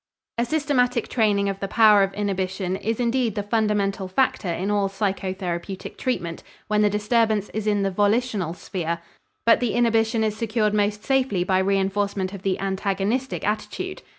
A systematic training of the power of inhibition is indeed the fundamental factor in all psychotherapeutic treatment when the disturbance is in the volitional sphere, but the inhibition is secured most safely by reënforcement of the antagonistic attitude.